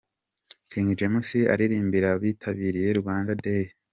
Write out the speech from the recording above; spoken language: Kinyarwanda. King James aririmbira abitabiriye Rwanda Day.